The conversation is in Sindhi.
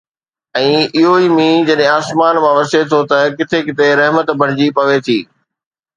۽ اهو ئي مينهن جڏهن آسمان مان وسي ٿو ته ڪٿي ڪٿي رحمت بڻجي پوي ٿي